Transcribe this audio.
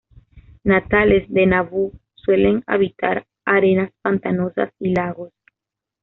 Natales de Naboo, suelen habitar áreas pantanosas y lagos.